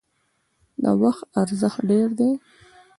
د وخت ارزښت ډیر دی